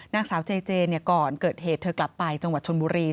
นางสาวเจเจก่อนเกิดเหตุเธอกลับไปจังหวัดชนบุรี